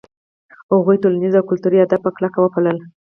هغوی ټولنیز او کلتوري آداب په کلکه وپالـل.